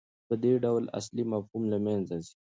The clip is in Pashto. په دې ډول اصلي مفهوم له منځه ځي.